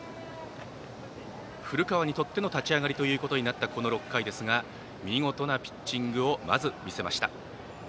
古川にとって立ち上がりとなったこの６回ですが見事なピッチングをまず見せました。